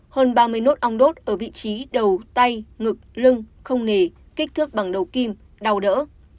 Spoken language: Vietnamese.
hơn ba mươi nốt ong đốt ở vị trí đầu tay ngực lưng không nề kích thước bằng đầu kim đau đỡ